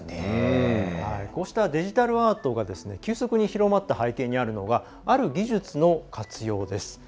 こうしたデジタルアートが急速に広がった背景にあるのはある技術の活用です。